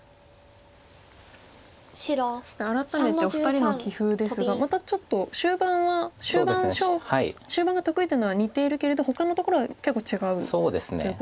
そして改めてお二人の棋風ですがまたちょっと終盤は終盤が得意というのは似ているけれどほかのところは結構違うということで。